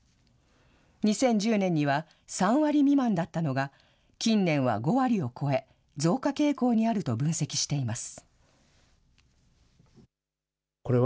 ２０１０年には３割未満だったのが、近年は５割を超え、増加傾向にあると分析しています。